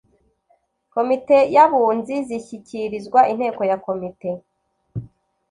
Komite y Abunzi zishyikirizwa inteko ya Komite